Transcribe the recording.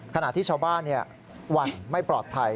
ขณะที่ชาวบ้านหวั่นไม่ปลอดภัย